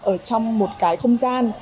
ở trong một cái không gian